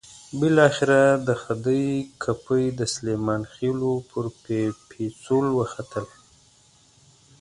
بالاخره د خدۍ کپۍ د سلیمان خېلو پر پېڅول وختله.